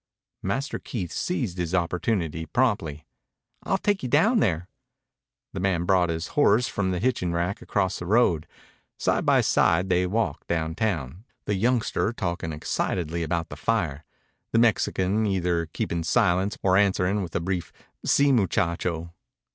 Master Keith seized his opportunity promptly. "I'll take you down there." The man brought his horse from the hitching rack across the road. Side by side they walked downtown, the youngster talking excitedly about the fire, the Mexican either keeping silence or answering with a brief "Si, muchacho."